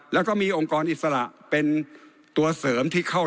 แล้วก็มีองค์กรอิสระเป็นตัวเสริมที่เข้า